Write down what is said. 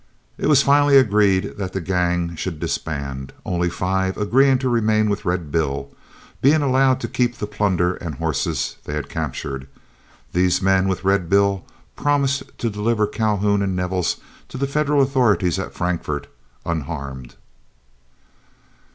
It was finally agreed that the gang should disband, only five agreeing to remain with Red Bill. Being allowed to keep the plunder and horses they had captured, these men, with Red Bill, promised to deliver Calhoun and Nevels to the Federal authorities at Frankfort, unharmed.